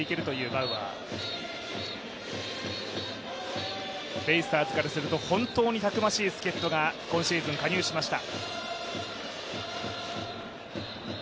バウアー、ベイスターズからすると本当にたくましい助っとが今シーズン加入しました。